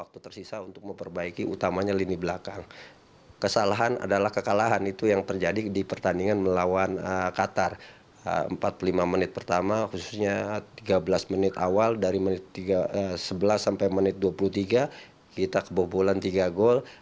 lima menit pertama khususnya tiga belas menit awal dari menit sebelas sampai menit dua puluh tiga kita kebobolan tiga gol